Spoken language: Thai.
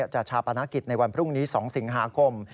ชาปนกิจในวันพรุ่งนี้๒สิงหาคม